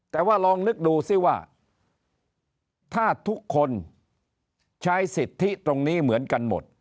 แต่ว่าลองนึกดูซิว่าถ้าทุกคนใช้สิทธิตรงนี้เหมือนกันหมด